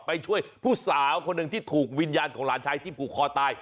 ไปช่วยผู้สาวคนหนึ่งที่ถูกวิญญาณของหลานชายที่ผูกคอตาย